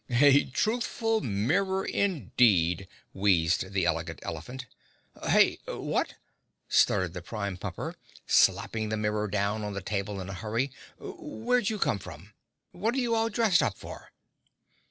"A truthful mirror, indeed," wheezed the Elegant Elephant. "Heh? What?" stuttered the Prime Pumper, slapping the mirror down on the table in a hurry. "Where'd you come from? What are you all dressed up for?"